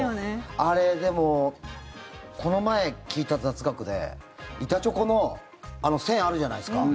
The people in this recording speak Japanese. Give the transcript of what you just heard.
あれ、でもこの前聞いた雑学で板チョコの線あるじゃないですか。